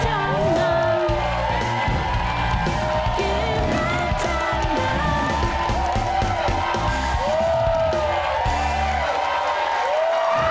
สวัสดีครับ